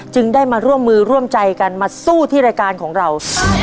จึงได้มาร่วมมือร่วมใจกันมาสู้ที่รายการของเรา